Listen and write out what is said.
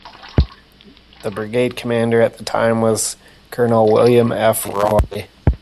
The Brigade Commander at the time was Colonel William F. Roy.